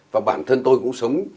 và bản thân tôi cũng sống